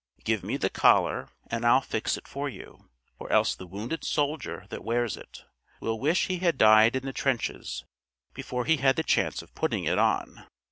Give me the collar, and I'll fix it for you, or else the wounded soldier that wears it will wish he had died in the trenches before he had the chance of putting it on."